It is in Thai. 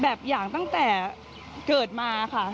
แบบอย่างตั้งแต่เกิดมาค่ะ